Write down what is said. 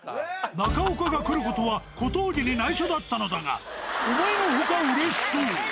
中岡が来ることは、小峠にないしょだったのだが、思いのほかうれしそう。